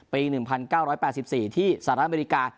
๑๙๘๔ที่สหรัฐอเมริกา